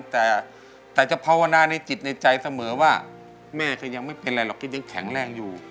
แต่จะภาวนาในจิตในใจเสมอว่าแม่ก็ยังไม่เป็นไรหรอกคิดยังแข็งแรงอยู่